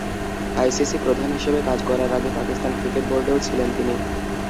ICC প্রধান হিসেবে কাজ করার আগে পাকিস্তান ক্রিকেট বোর্ডেও ছিলেন তিনি।